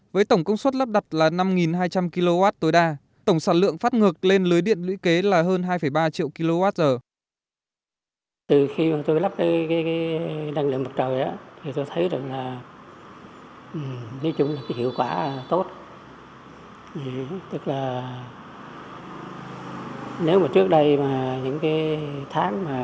với tổng công suất lắp đặt là năm hai trăm linh kw tối đa tổng sản lượng phát ngược lên lưới điện lưỡi kế là hơn hai ba triệu kwh